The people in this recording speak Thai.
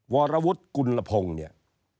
วรวุฒิกุลพงศ์เนี่ย